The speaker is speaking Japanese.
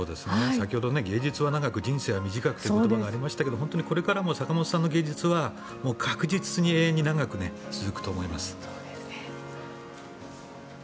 先ほど、芸術は長く人生は短いという言葉がありましたが本当にこれからも坂本さんの芸術は確実に永遠に長く続くと思います。